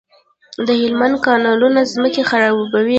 د هلمند کانالونه ځمکې خړوبوي.